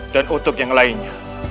dan untuk yang lainnya